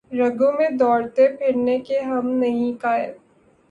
رگوں میں دوڑتے پھرنے کے ہم نہیں قائل